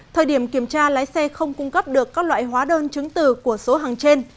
thời điểm kiểm tra lái xe không cung cấp được các loại hóa đơn chứng từ của số hàng trên